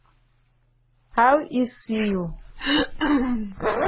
How e see you?